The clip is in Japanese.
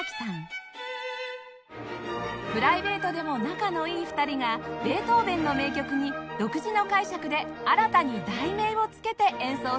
プライベートでも仲のいい２人がベートーヴェンの名曲に独自の解釈で新たに題名をつけて演奏します